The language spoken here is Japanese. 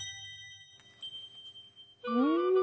うん！